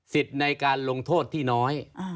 สิทธิ์ในการลงโทษที่น้อย